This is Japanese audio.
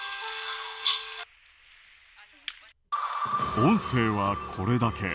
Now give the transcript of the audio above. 音声はこれだけ。